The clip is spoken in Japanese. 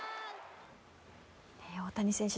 大谷選手